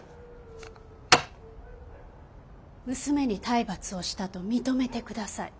娘に体罰をしたと認めて下さい。